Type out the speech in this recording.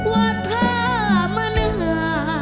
ว่าถ้ามนา